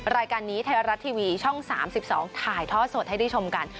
รายการนี้ไทยรัฐทีวีช่อง๓๒ถ่ายท่อสดให้ได้ชมกัน